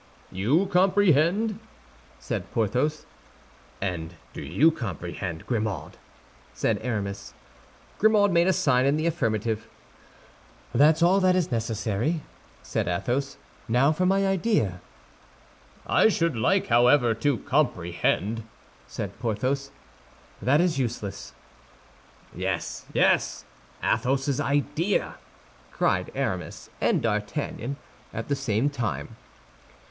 "You comprehend?" said Porthos. "And do you comprehend, Grimaud?" said Aramis. Grimaud made a sign in the affirmative. "That's all that is necessary," said Athos; "now for my idea." "I should like, however, to comprehend," said Porthos. "That is useless." "Yes, yes! Athos's idea!" cried Aramis and D'Artagnan, at the same time.